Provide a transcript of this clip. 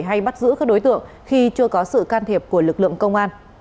hay bắt giữ các đối tượng khi chưa có sự can thiệp của lực lượng công an